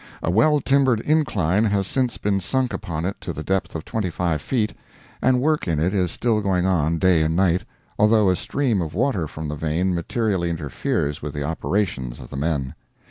A well timbered incline has since been sunk upon it to the depth of twenty five feet, and work in it is still going on day and night, although a stream of water from the vein materially interferes with the operations of the men.